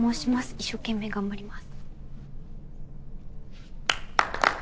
一生懸命頑張ります。